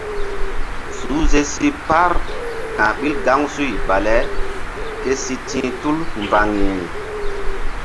Suhze si par ka̧h ɓil gaŋsuy bale ke si ti̧h tul mbaŋiri.